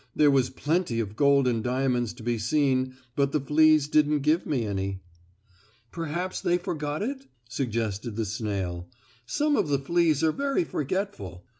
"There was plenty of gold and diamonds to be seen, but the fleas didn't give me any." "Perhaps they forgot it?" suggested the snail. "Some of the fleas are very forgetful.